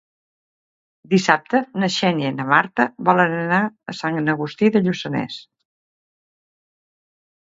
Dissabte na Xènia i na Marta volen anar a Sant Agustí de Lluçanès.